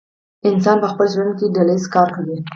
انسان په خپل ژوند کې ډله ایز کار کوي.